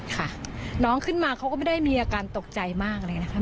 ค่ะน้องขึ้นมาเขาก็ไม่ได้มีอาการตกใจมากเลยนะคะ